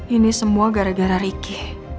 ini semua gara gara riki